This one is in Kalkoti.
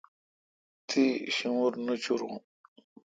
تی ݭومر نوچورون۔